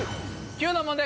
９の問題